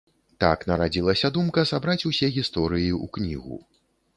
Так нарадзілася думка сабраць усе гісторыі ў кнігу.